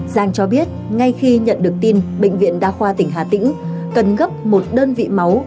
giang cho biết ngay khi nhận được tin bệnh viện đa khoa tỉnh hà tĩnh cần gấp một đơn vị máu